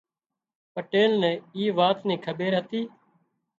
پٽيل نين اي وات ني کٻير هتي